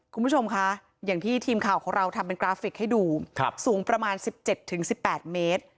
คุณผู้ชมคะอย่างที่ทีมข่าวของเราทำเป็นกราฟิกให้ดูสูงประมาณ๑๗๑๘เมตร